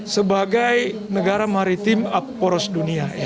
sebagai negara maritim aporos dunia